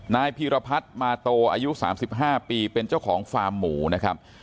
นายพีรพัฒน์มาโตอายุ๓๕ปีเป็นเจ้าของฟาร์มหมูนะครับ